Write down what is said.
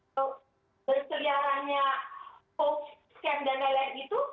dampak dari berkeliarannya post scan dan lain lain itu